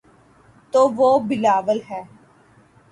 تو وہ بلاول ہیں۔